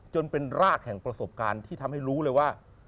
จนเป็นรากแห่งประสบการณ์ที่ทำให้รู้เลยว่า